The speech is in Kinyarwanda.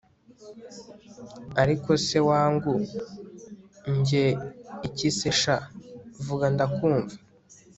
ariko se wangu!. njye iki se sha, vuga ndakumva